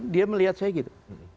dia melihat saya gitu